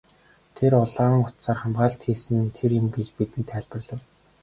Тэр улаан утсаар хамгаалалт хийсэн нь тэр юм гэж бидэнд тайлбарлав.